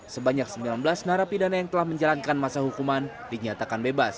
sebanyak sembilan belas narapidana yang telah menjalankan masa hukuman dinyatakan bebas